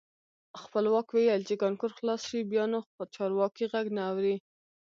خپلواک ویل چې کانکور خلاص شي بیا نو چارواکي غږ نه اوري.